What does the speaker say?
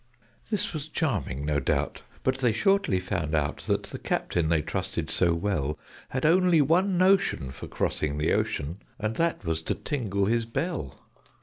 This was charming, no doubt: but they shortly found out That the Captain they trusted so well Had only one notion for crossing the ocean, And that was to tingle his bell.